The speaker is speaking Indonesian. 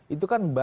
itu kan banyak